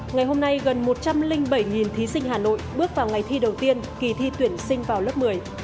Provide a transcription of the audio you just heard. ngày hôm nay gần một trăm linh bảy thí sinh hà nội bước vào ngày thi đầu tiên kỳ thi tuyển sinh vào lớp một mươi